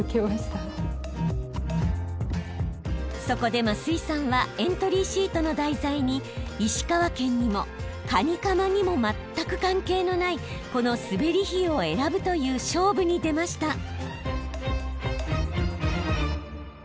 そこで増井さんはエントリーシートの題材に石川県にもカニカマにも全く関係のないこのスベリヒユを選ぶという勝負に出ました。